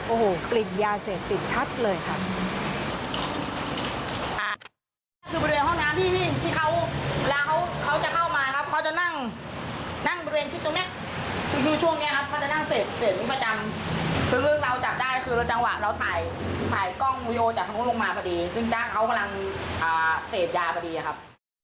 โอ้โหกลิ่นยาเสพติดชัดเลยครับ